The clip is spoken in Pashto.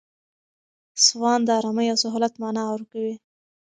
سوان د آرامۍ او سهولت مانا ورکوي.